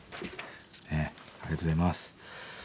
ありがとうございます。